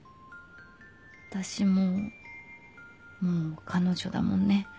私ももう彼女だもんね。